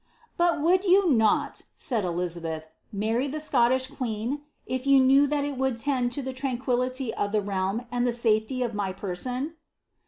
^^ But would you not," said Eliza beth, ^ marry the Scottish queen, if you knew that it would tend to the tranquillity of the realm, and the safety of my person